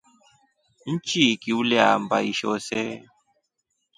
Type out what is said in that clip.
Nchiki uleamba isho see.